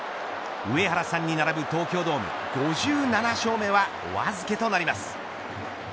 上原さんに並ぶ東京ドーム５７勝目は、お預けとなります。